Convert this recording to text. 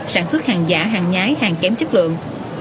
sản xuất hàng giả hàng nhái hàng kém chất lượng